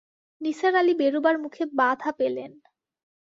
নিসার আলি বেরুবার মুখে বাধা পেলেন।